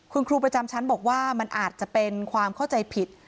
คุณครูประจำชั้นบอกว่ามันอาจจะเป็นความเข้าใจผิด